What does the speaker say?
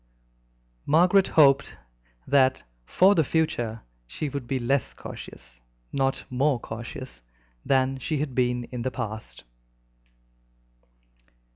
Margaret hoped that for the future she would be less cautious, not more cautious, than she had been in the past.